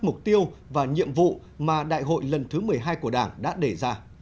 mục tiêu và nhiệm vụ mà đại hội lần thứ một mươi hai của đảng đã đề ra